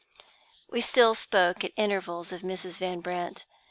We still spoke, at intervals, of Mrs. Van Brandt.